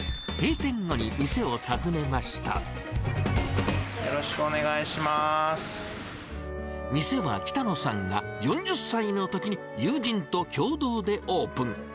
店は、北野さんが４０歳のときに友人と共同でオープン。